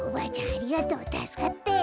ありがとうたすかったよ。